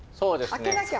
開けなきゃ。